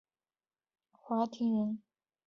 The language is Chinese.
华亭人。